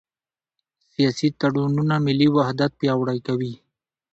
سیاسي تړونونه ملي وحدت پیاوړی کوي